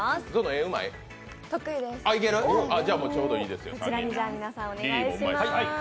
絵、得意です。